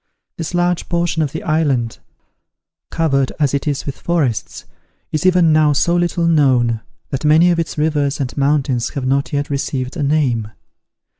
This large portion of the island, covered as it is with forests, is even now so little known that many of its rivers and mountains have not yet received a name.